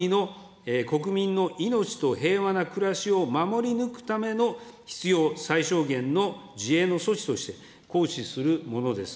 武力行使の３要件に基づき、あくまでわが国の国民の命と平和な暮らしを守り抜くための必要最小限の自衛の措置として行使するものです。